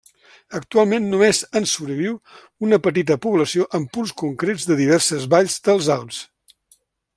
Actualment només en sobreviu una petita població en punts concrets de diverses valls dels Alps.